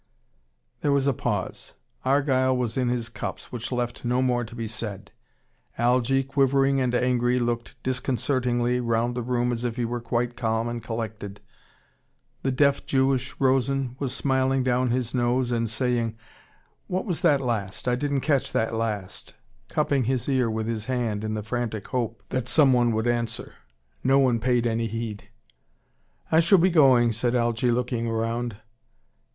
There was a pause. Argyle was in his cups, which left no more to be said. Algy, quivering and angry, looked disconcertingly round the room as if he were quite calm and collected. The deaf Jewish Rosen was smiling down his nose and saying: "What was that last? I didn't catch that last," cupping his ear with his hand in the frantic hope that someone would answer. No one paid any heed. "I shall be going," said Algy, looking round.